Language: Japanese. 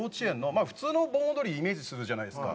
まあ普通の盆踊りイメージするじゃないですか。